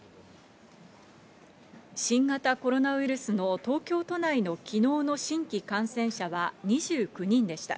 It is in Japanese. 新型コロナウイルスの東京都内の昨日の新規感染者は２９人でした。